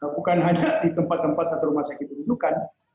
bukan hanya di tempat tempat atau rumah sakit rujukan